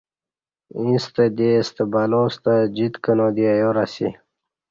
ییݩستہ دی ستہ بلا ستہ جِیت کنہ دی ایار اسی